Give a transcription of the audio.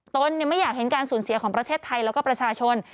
ตนไม่อยากเห็นการสูญเสียของประเทศไทยแล้วก็ประชาชน